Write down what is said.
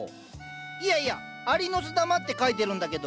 いやいや「アリノスダマ」って書いてるんだけど。